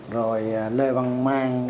rồi lê văn mang